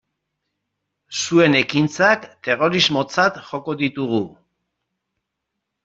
Zuen ekintzak terrorismotzat joko ditugu.